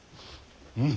うん。